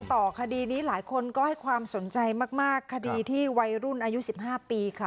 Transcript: ต่อคดีนี้หลายคนก็ให้ความสนใจมากคดีที่วัยรุ่นอายุ๑๕ปีค่ะ